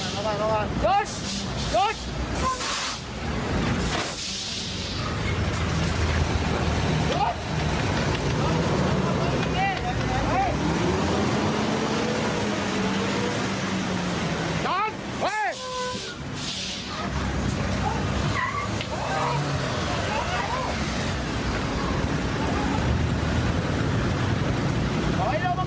เจ้าหน้าที่กำลังทำคุยกับผู้ชม